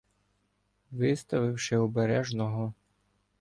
Виставивши обережно го